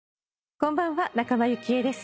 こんばんは仲間由紀恵です。